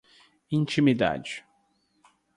intimidade